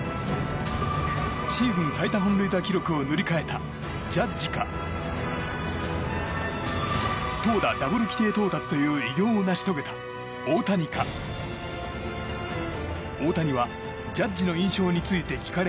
シーズン最多本塁打記録を塗り替えたジャッジか投打ダブル規定到達という偉業を成し遂げた大谷か。